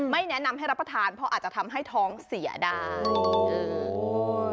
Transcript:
แนะนำให้รับประทานเพราะอาจจะทำให้ท้องเสียได้อ่า